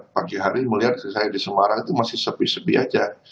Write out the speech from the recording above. pagi hari melihat saya di semarang itu masih sepi sepi aja